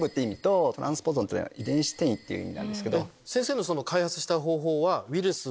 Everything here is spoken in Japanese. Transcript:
先生の開発した方法は。